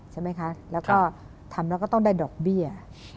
ใช่ไหมคะแล้วก็ทำแล้วก็ต้องได้ดอกเบี้ย